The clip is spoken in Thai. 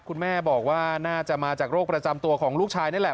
คุณแม่บอกว่าน่าจะมาจากโรคประจำตัวของลูกชายนี่แหละ